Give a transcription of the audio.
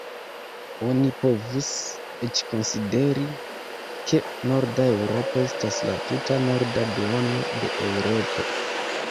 Oni povus eĉ konsideri, ke norda Eŭropo estas la tuta norda duono de Eŭropo.